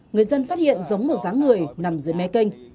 người dân phát hiện giống một ráng người nằm dưới mé kênh